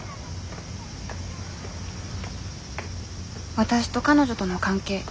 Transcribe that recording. わたしと彼女との関係。